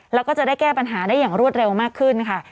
แล้วก็จะได้แก้ปัญหาได้อย่างรวดเร็วมากขึ้นค่ะ